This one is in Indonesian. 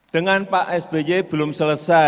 dengan pak sby belum selesai